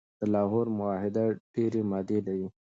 د لاهور معاهده ډیري مادي لري.